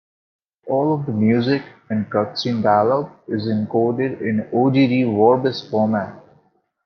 All of the music and cutscene dialogue is encoded in Ogg Vorbis format.